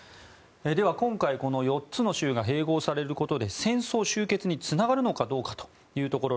では今回、この４つの州が併合されることで戦争終結につながるのかどうかというところ。